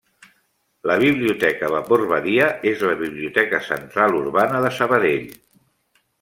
La Biblioteca Vapor Badia és la biblioteca central urbana de Sabadell.